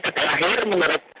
kemudian beliau terpergian tidur